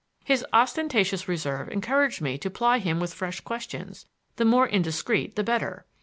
His ostentatious reserve encouraged me to ply him with fresh questions, the more indiscreet the better.